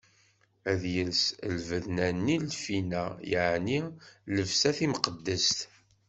Ad yels llebsa-nni n lfina, yeɛni llebsa timqeddest.